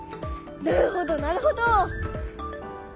なるほどなるほど。